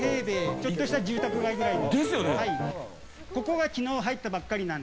ちょっとした住宅街くらいの。